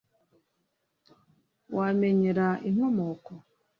wamenyera inkomoko?